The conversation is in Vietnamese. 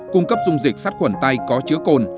cung cấp dung dịch sát khuẩn tay có chứa cồn